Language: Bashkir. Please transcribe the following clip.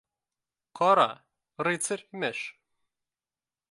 — Ҡара, рыцарь, имеш.